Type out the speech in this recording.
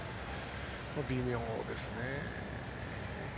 微妙ですね。